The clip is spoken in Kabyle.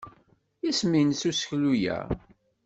Isem-nnes useklu-a?